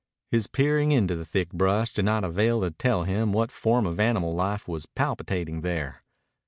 His peering into the thick brush did not avail to tell him what form of animal life was palpitating there.